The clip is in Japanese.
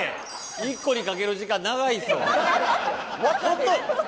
１個にかける時間長いですよ。